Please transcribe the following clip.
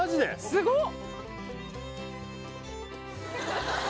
すごっ！